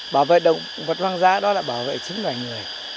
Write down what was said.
bảo vệ động vật hoang dã đó là bảo vệ chính loài người